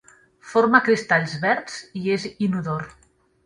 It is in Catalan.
Forma cristalls verds i és inodor.